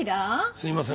すいません